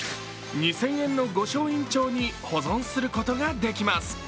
２０００円の御翔印帳に保存することができます。